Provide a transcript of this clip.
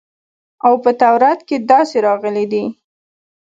او په تورات کښې داسې راغلي دي.